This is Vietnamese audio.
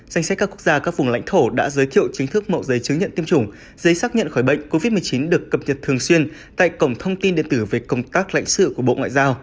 danh sách các quốc gia các vùng lãnh thổ đã giới thiệu chính thức mẫu giấy chứng nhận tiêm chủng giấy xác nhận khỏi bệnh covid một mươi chín được cập nhật thường xuyên tại cổng thông tin điện tử về công tác lãnh sự của bộ ngoại giao